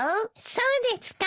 そうですか？